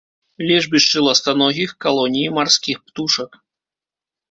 Лежбішчы ластаногіх, калоніі марскіх птушак.